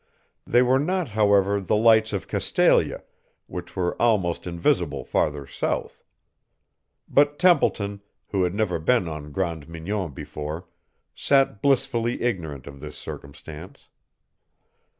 They were not, however, the lights of Castalia, which were almost invisible farther south. But Templeton, who had never been on Grande Mignon before, sat blissfully ignorant of this circumstance.